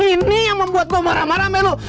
ini yang membuat gue marah marah men